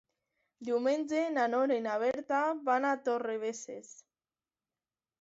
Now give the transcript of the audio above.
Diumenge na Nora i na Berta van a Torrebesses.